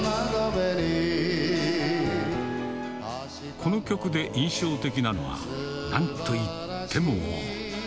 この曲で印象的なのは、なんといっても。